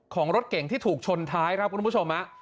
ของรถเก่งที่ถูกชนท้ายครับคุณผู้ชม